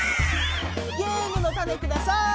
ゲームのタネください。